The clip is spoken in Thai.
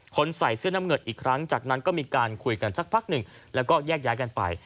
ใส่เสื้อน้ำเงินอีกครั้งจากนั้นก็มีการคุยกันสักพักหนึ่งแล้วก็แยกย้ายกันไป